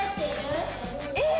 えっ！